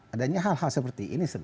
adanya hal hal seperti ini